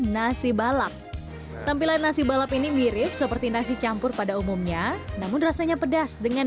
nasi balap tampilan nasi balap ini mirip seperti nasi campur pada umumnya namun rasanya pedas dengan